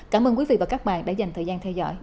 cảm ơn quý vị và các bạn đã dành thời gian theo dõi